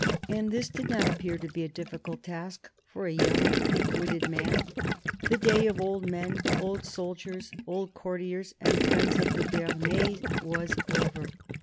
And this did not appear to be a difficult task for a young and quick witted man. The day of old men, old soldiers, old courtiers and friends of "le Bearnais," was over.